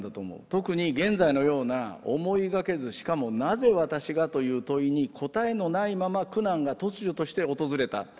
特に現在のような思いがけずしかも「なぜ私が？」という問いに答えのないまま苦難が突如として訪れた。